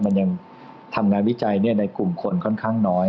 มันยังทำงานวิจัยในกลุ่มคนค่อนข้างน้อย